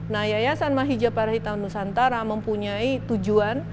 nah yayasan mahijapara hitanusantara mempunyai tujuan